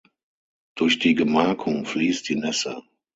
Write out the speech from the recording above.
Durch die Gemarkung fließt die Nesse.